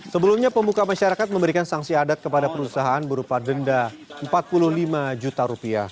sebelumnya pemuka masyarakat memberikan sanksi adat kepada perusahaan berupa denda rp empat puluh lima juta